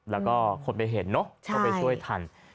แล้วก็คนไปเห็นเนอะก็ไปช่วยทัน